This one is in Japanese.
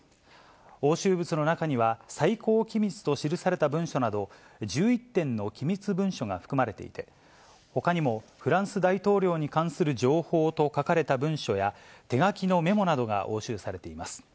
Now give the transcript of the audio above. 押収物の中には、最高機密と記された文書など、１１点の機密文書が含まれていて、ほかにも、フランス大統領に関する情報と書かれた文書や、手書きのメモなどが押収されています。